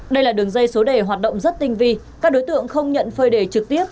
đây là đường dây số đề hoạt động rất tinh vi các đối tượng không nhận phơi đề trực tiếp